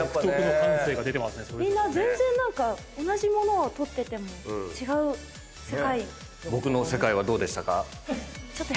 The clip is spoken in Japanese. みんな全然何か同じ物を撮ってても違う世界。